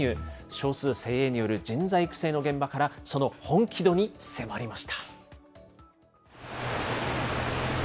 少数精鋭による人材育成の現場から、その本気度に迫りました。